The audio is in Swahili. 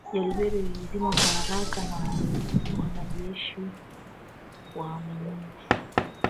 Jaribio hilo lilizimwa kwa haraka na wanajeshi waaminifu